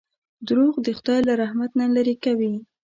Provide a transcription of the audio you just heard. • دروغ د خدای له رحمت نه لرې کوي.